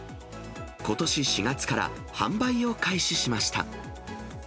ことし４月から販売を開始しました。